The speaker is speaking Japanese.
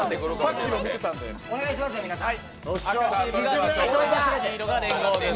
お願いしますよ、皆さん。